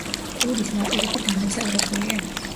ყურის ნაპირები დანაწევრებულია.